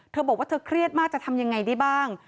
เธอบอกว่าเธอเครียดมากจะทำยังไงได้บ้าง